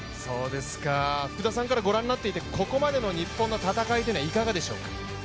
福田さんからご覧になっていて、ここまでの日本の戦い、いかがでしょうか？